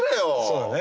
そうだね。